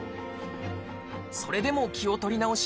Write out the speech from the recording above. それでも気を取り直し